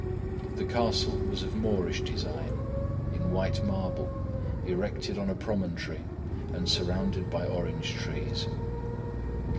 The castle was of Moorish design, in white marble, erected on a promontory and surrounded by orange trees.